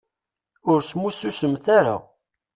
Ur smussusemt ara.